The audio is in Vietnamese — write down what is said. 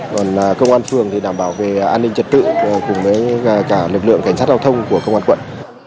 còn công an phường thì đảm bảo về an ninh trật tự cùng với cả lực lượng cảnh sát giao thông của công an quận